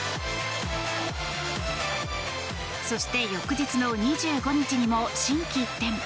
そして、翌日の２５日にも心機一転。